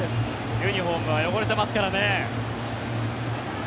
ユニホームは汚れてますからね。